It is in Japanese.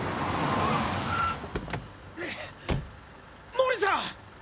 毛利さん！